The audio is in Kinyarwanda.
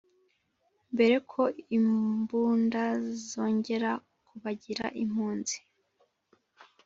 mbere ko imbunda zongera kubagira impunzi